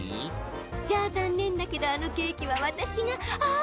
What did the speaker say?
じゃあ残念だけどあのケーキは私があっ！